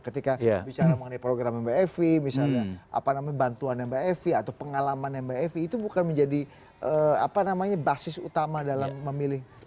ketika bicara mengenai program mba evi misalnya apa namanya bantuan mba evi atau pengalaman mba evi itu bukan menjadi apa namanya basis utama dalam memilih